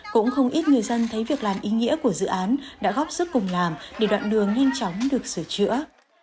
cũng không ít người dân thấy việc làm ý nghĩa của dự án đã góp sức cùng làm để đoạn đường nhanh chóng được sửa chữa